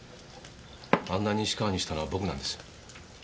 あんな西川にしたのは僕なんです。